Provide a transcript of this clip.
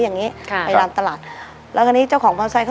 อย่างนี้ไปรวมตลาดบอค